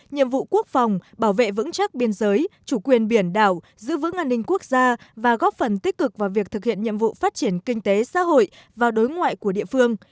nhiệm vụ quốc phòng bảo vệ vững chắc biên giới chủ quyền biển đảo giữ vững an ninh quốc gia và góp phần tích cực vào việc thực hiện nhiệm vụ phát triển kinh tế xã hội và đối ngoại của địa phương